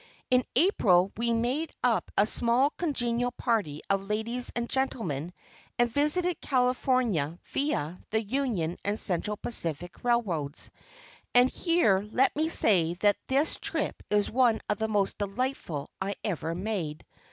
In April we made up a small, congenial party of ladies and gentlemen, and visited California via the Union and Central Pacific Railroads. And here let me say that this trip is one of the most delightful I ever made.